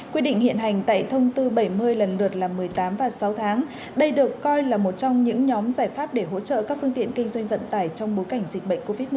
quy định hiện hành tại thông tư bảy mươi lần lượt là một mươi tám và sáu tháng đây được coi là một trong những nhóm giải pháp để hỗ trợ các phương tiện kinh doanh vận tải trong bối cảnh dịch bệnh covid một mươi chín